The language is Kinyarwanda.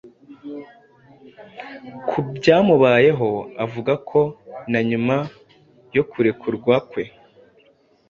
ku byamubayeho. Avuga ko na nyuma yo kurekurwa kwe,